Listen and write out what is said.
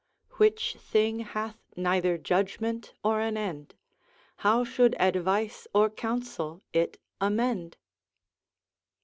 Which thing hath neither judgment, or an end, How should advice or counsel it amend?